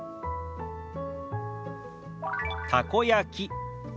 「たこ焼き」。